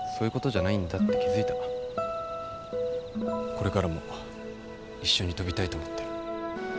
これからも一緒に飛びたいと思ってる。